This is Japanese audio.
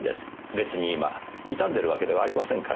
別に今痛んでるわけではありませんから。